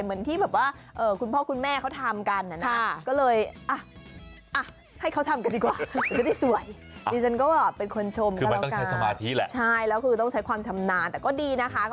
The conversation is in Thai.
เหมือนที่คุณพ่อคุณแม่เขาทำกันนะก็เลยอ่ะให้เขาทำกันดีกว่า